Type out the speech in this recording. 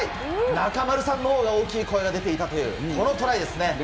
中丸さんのほうが大きい声が出ていたという、このトライですね。